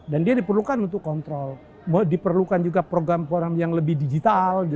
dan dia diperlukan untuk kontrol diperlukan juga program program yang lebih digital